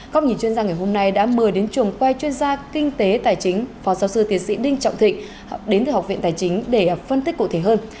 góc nhìn chuyên gia ngày hôm nay đã mời đến trường quay chuyên gia kinh tế tài chính phó giáo sư tiến sĩ đinh trọng thịnh đến từ học viện tài chính để phân tích cụ thể hơn